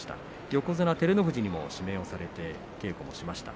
横綱照ノ富士にも指名をされて稽古をしました。